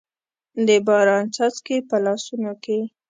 د باران څاڅکي، په لاسونو کې